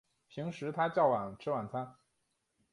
平时他较晚吃晚餐